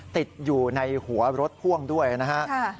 ติดอยู่ในหัวรถพ่วงด้วยนะฮะ